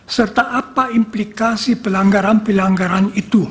serta apa implikasi pelanggaran pelanggaran itu